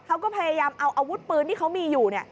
เขาก็พยายามเอาอาวุธปืนที่เขามีอยู่